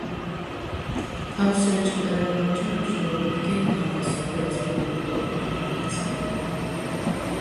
თავისივე ჩატარებულ არჩევნებში რობერტ გეი დამარცხდა და იძულებული იყო ქვეყნიდან გაქცეულიყო.